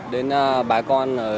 đến bà con